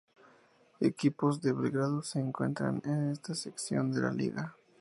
Equipos de Belgrado se encuentran en esta sección de la liga.